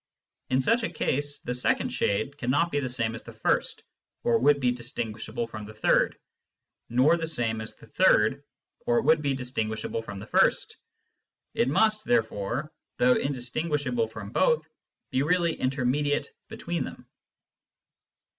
In such a case, the second shade cannot be the same as the first, or it would be distinguishable from the third ; nor the same as the third, or it would be distinguishable from the first. It must, therefore, though indistinguishable from both, be really intermediate between them.